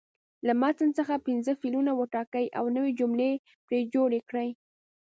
له متن څخه پنځه فعلونه وټاکئ او نوې جملې پرې جوړې کړئ.